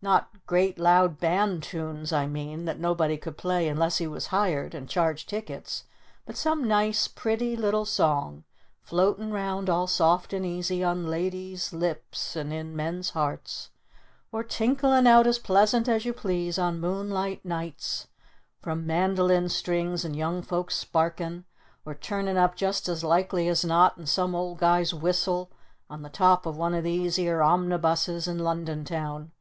Not great loud band tunes, I mean, that nobody could play unless he was hired! And charged tickets! But some nice pretty little Song floatin' round all soft and easy on ladies' lips and in men's hearts. Or tinklin' out as pleasant as you please on moonlight nights from mandolin strings and young folks sparkin'. Or turnin' up just as likely as not in some old guy's whistle on the top of one of these 'ere omnibuses in London Town.